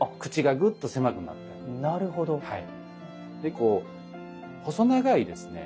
こう細長いですね